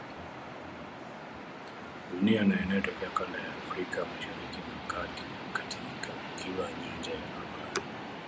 dunia na yanayotokea kanda ya Afrika Mashariki na Kati, katika kila nyanja ya habari